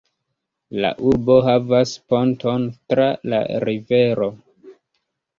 La urbo havas ponton tra la rivero.